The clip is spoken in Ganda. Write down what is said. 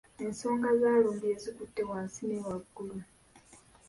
Ensonga za Lumbuye zikutte wansi ne waggulu.